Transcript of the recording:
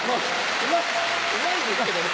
うまいんですけどね。